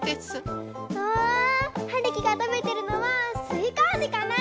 うわはるきがたべてるのはすいかあじかな？